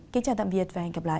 kính chào tạm biệt và hẹn gặp lại